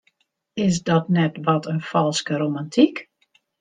Is dat net wat in falske romantyk?